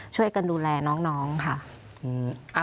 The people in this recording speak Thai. ช่วยกันดูแลน้องค่ะ